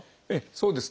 そうですね。